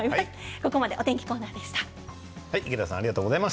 ここまでお天気コーナーでした。